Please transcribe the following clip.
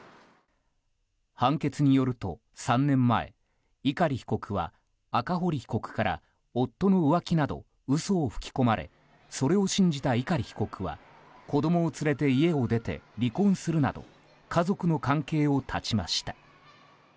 判決によると、３年前碇被告は赤堀被告から夫の浮気など嘘を吹き込まれそれを信じた碇被告は子供を連れて家を出て離婚するなど家族の関係を断ちました。